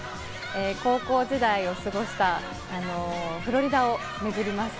高校時代を過ごしたフロリダをめぐります。